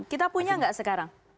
kita punya nggak sekarang